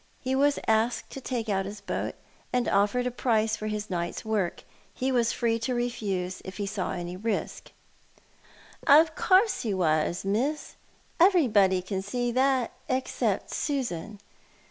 He was asked to take out his boat, and offered a price for his night's work. He was free to refuse, if he saw any risk." " Of course he was, Miss. Everybody can see that, except Susan.